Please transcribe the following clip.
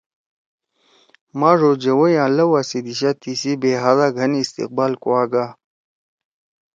ماݜ او جوَئی آں لؤا سی دیِشا تیِسی بےحدا گھن استقبال کُوا گا